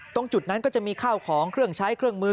ตรงจุดนั้นก็จะมีข้าวของเครื่องใช้เครื่องมือ